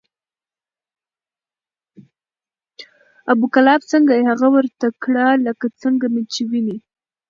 ابو کلاب څنګه یې؟ هغه ورته کړه لکه څنګه مې چې وینې،